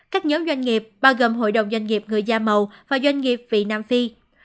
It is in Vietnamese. các nhóm doanh nghiệp bao gồm hội đồng doanh nghiệp người da màu và doanh nghiệp vị nam phi